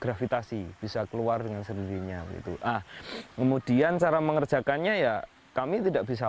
gravitasi bisa keluar dengan sendirinya kemudian cara mengerjakannya ya kami tidak bisa